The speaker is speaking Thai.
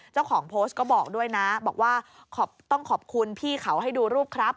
เจ้าของโพสต์ก็บอกด้วยนะบอกว่าต้องขอบคุณพี่เขาให้ดูรูปครับ